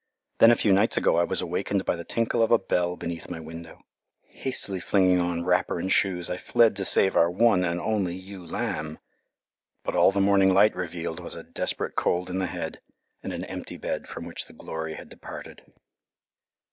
Then a few nights ago I was awakened by the tinkle of a bell beneath my window. Hastily flinging on wrapper and shoes I fled to save our one and only ewe lamb. But all the morning light revealed was a desperate cold in the head, and an empty bed from which the glory had departed.